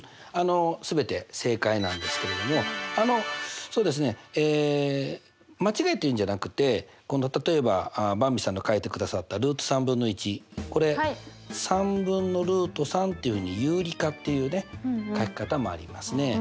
全て正解なんですけれどもあのそうですねえ間違いというんじゃなくって例えばばんびさんが書いてくださったルート３分の１。これ３分のルート３というふうに有利化っていうね書き方もありますね。